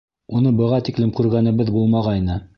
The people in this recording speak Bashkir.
Уны быға тиклем күргәнебеҙ булмағайны.